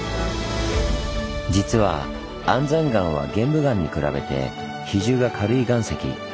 実は安山岩は玄武岩に比べて比重が軽い岩石。